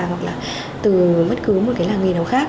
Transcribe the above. hoặc là từ bất cứ một cái làng nghề nào khác